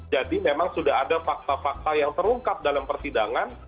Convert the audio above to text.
jadi memang sudah ada fakta fakta yang terungkap dalam persidangan